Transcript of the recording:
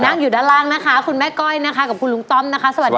นั่งอยู่ด้านล่างนะคะคุณแม่ก้อยนะคะกับคุณลุงต้อมนะคะสวัสดีค่ะ